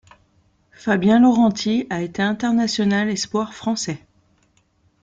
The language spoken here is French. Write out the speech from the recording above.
Fabien Laurenti a été international espoir français.